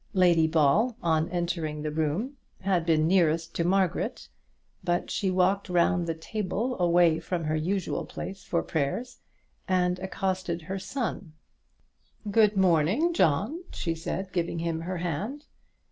Lady Ball, on entering the room, had been nearest to Margaret, but she walked round the table away from her usual place for prayers, and accosted her son. "Good morning, John," she said, giving him her hand.